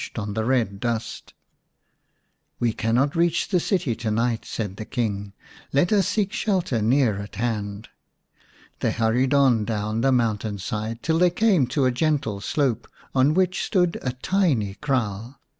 104 ix The Serpent's Bride "We cannot reach the city to night," said the King. " Let us seek shelter near at hand." They hurried on down the mountain side till they came to a gentle slope on which stood a tiny kraal.